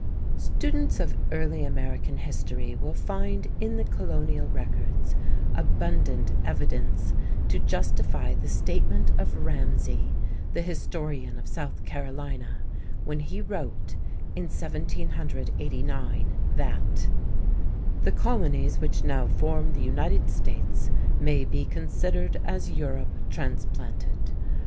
Students of early American history will find in the Colonial records abundant evidence to justify the statement of Ramsay, the historian of South Carolina, when he wrote in 1789, that: "The Colonies which now form the United States may be considered as Europe transplanted.